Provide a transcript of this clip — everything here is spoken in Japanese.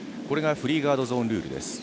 これがフリーガードゾーンルール。